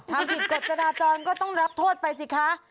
ทำผิดกฎจราจรก็ต้องรับโทษไปสิคะ